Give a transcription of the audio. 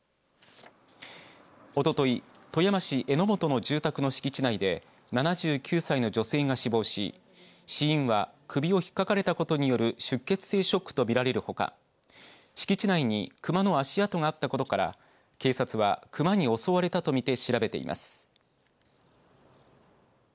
おととい富山市江本の住宅の敷地内で７９歳の女性が死亡し死因は首をひっかかれたことによる出血性ショックと見られるほか敷地内にクマの足跡があったことから警察は熊に襲われたと見て調べています。